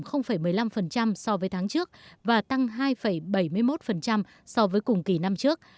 giảm một mươi năm so với tháng trước và tăng hai bảy mươi một so với cùng kỳ năm trước